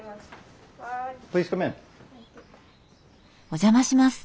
お邪魔します。